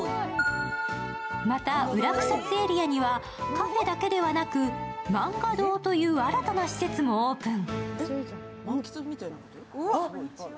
また裏草津エリアには、カフェだけではなく、漫画堂という新たな施設もオープン。